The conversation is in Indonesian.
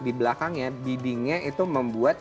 di belakangnya biddingnya itu membuat